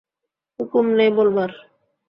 হুকুম নেই বলবার।